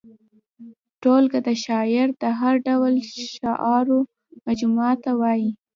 ټولګه د شاعر د هر ډول شعرو مجموعې ته وايي.